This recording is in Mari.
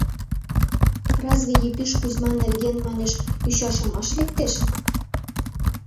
Разве Епиш Кузьма нерген, манеш, ӱчашымаш лектеш.